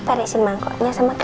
periksi mangkuknya sama gelasnya